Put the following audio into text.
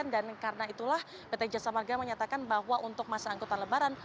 dan karena itulah pt jasa marga menyatakan bahwa untuk masa angkota lebaran